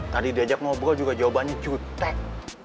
tadi diajak ngobrol juga jawabannya cutek